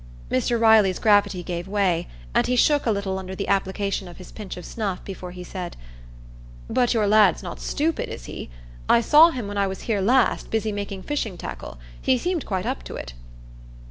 Mr Riley's gravity gave way, and he shook a little under the application of his pinch of snuff before he said,— "But your lad's not stupid, is he? I saw him, when I was here last, busy making fishing tackle; he seemed quite up to it."